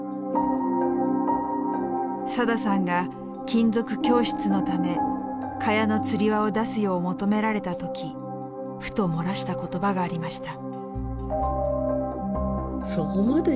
さださんが金属供出のため蚊帳のつり輪を出すよう求められた時ふと漏らした言葉がありました。